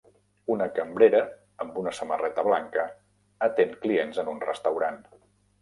Una cambrera amb una samarreta blanca atén clients en un restaurant.